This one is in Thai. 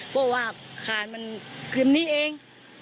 เพราะว่าข่าญมันเตรียมนี่เอง